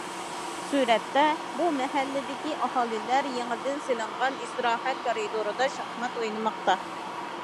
سۈرەتتە: بۇ مەھەللىدىكى ئاھالىلەر يېڭىدىن سېلىنغان ئىستىراھەت كارىدورىدا شاھمات ئوينىماقتا.